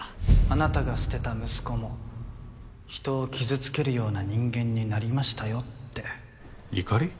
あなたが捨てた息子も人を傷つけるような人間になりましたよって怒り？